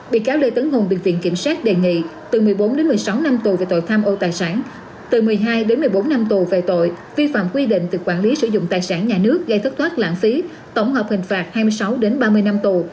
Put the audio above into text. bị cáo lê tấn hùng bị viện kiểm sát đề nghị từ một mươi bốn đến một mươi sáu năm tù về tội tham ô tài sản từ một mươi hai đến một mươi bốn năm tù về tội vi phạm quy định về quản lý sử dụng tài sản nhà nước gây thất thoát lãng phí tổng hợp hình phạt hai mươi sáu đến ba mươi năm tù